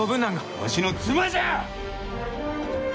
「わしの妻じゃ！」